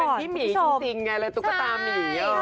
เป็นที่มีจริงไงเลยตุ๊กตามี